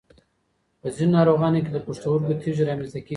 په ځینو ناروغانو کې د پښتورګو تېږې رامنځته کېږي.